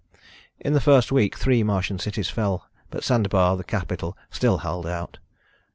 In the first week three Martian cities fell, but Sandebar, the capital, still held out.